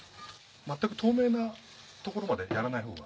全く透明なところまでやらない方が。